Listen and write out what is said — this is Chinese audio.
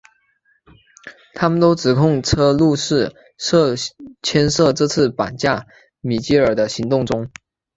他们都指控车路士牵涉这次绑架米基尔的行动中。